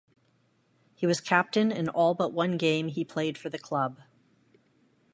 He was captain in all but one game he played for the club.